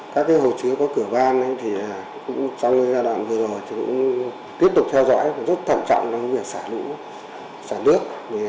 các hồ chứa có cửa ban thì trong giai đoạn vừa rồi cũng tiếp tục theo dõi rất thậm trọng trong việc xả lũ xả nước